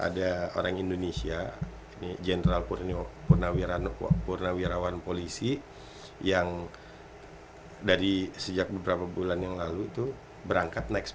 ada orang indonesia ini general purnawirawan polisi yang dari sejak beberapa bulan yang lalu itu berangkat next